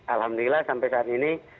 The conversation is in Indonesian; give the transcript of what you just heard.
alhamdulillah sampai saat ini